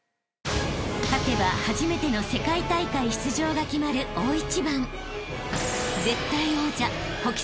［勝てば初めての世界大会出場が決まる大一番］